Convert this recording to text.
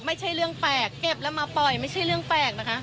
มีความว่ายังไง